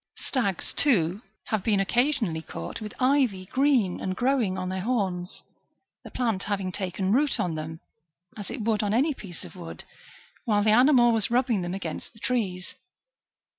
Stags, too, have been occasionally caught with i\'y green and growing on their horns,^ the plant having taken root on them, as it woidd on any piece of wood, while the animal was rubbing them against the trees.